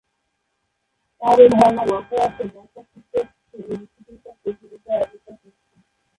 তার এই ধারণা মাথায় আসে ম্যাসাচুসেটস ইন্সটিটিউট অব টেকনোলজি আয়োজিত এক অনুষ্ঠানে।